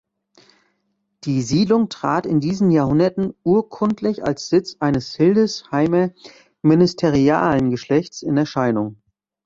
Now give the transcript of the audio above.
Die Siedlung trat in diesen Jahrhunderten urkundlich als Sitz eines Hildesheimer Ministerialengeschlechts in Erscheinung.